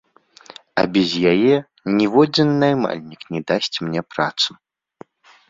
А без яе ніводзін наймальнік не дасць мне працу.